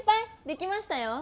できましたよ。